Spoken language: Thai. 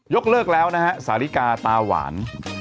เลิกแล้วนะฮะสาลิกาตาหวาน